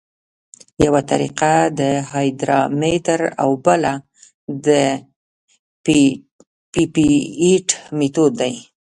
یوه طریقه د هایدرامتر او بله د پیپیټ میتود دی